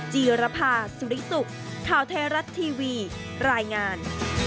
จีรภาสุริสุขข่าวไทยรัฐทีวีรายงาน